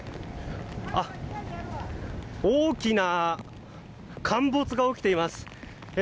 大きな陥没が起きています。